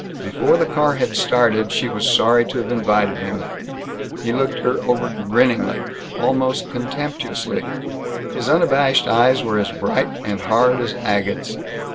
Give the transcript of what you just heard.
Before the car had started, she was sorry to have invited him. He looked her over grinningly, almost contemptuously. His unabashed eyes were as bright and hard as agates.